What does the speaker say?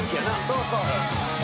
「そうそう」